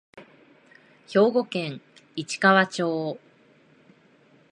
兵庫県市川町